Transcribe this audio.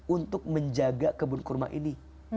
untuk menjaga kebun kurma ini